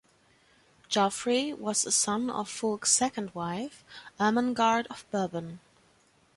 Geoffrey was a son of Fulk's second wife, Ermengard of Bourbon.